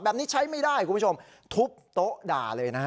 แบบนี้ใช้ไม่ได้คุณผู้ชมทุบโต๊ะด่าเลยนะฮะ